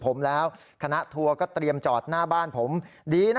เพราะว่ามีทีมนี้ก็ตีความกันไปเยอะเลยนะครับ